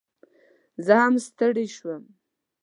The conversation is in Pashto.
زه هم ستړي شوم